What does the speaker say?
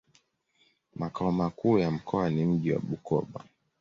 Makao makuu ya mkoa ni mji wa Bukoba.